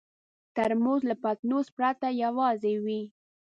ترموز له پتنوس پرته یوازې وي.